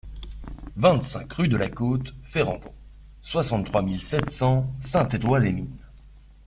vingt-cinq rue de la Côte Ferrandon, soixante-trois mille sept cents Saint-Éloy-les-Mines